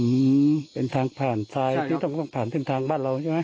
อืมเป็นทางผ่านทรายที่ต้องผ่านถึงทางบ้านเราใช่ไหม